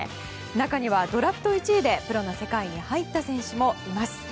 中にはドラフト１位でプロの世界に入った選手もいます。